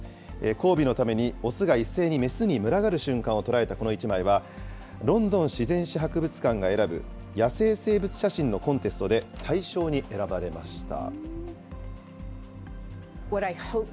交尾のために、雄が一斉に雌に群がる瞬間を捉えたこの一枚は、ロンドン自然史博物館が選ぶ野生生物写真のコンテストで大賞に選ばれました。